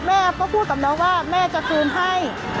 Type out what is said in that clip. แม่ก็พูดกับน้องว่าแม่จะคืนให้